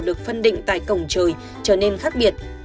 được phân định tại cổng trời trở nên khác biệt